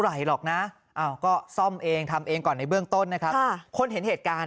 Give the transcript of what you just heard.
ไหลหรอกนะก็ซ่อมเองทำเองก่อนในเบื้องต้นนะครับคนเห็นเหตุการณ์